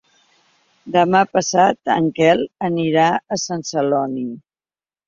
Demà passat en Quel anirà a Sant Celoni.